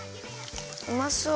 うまそう。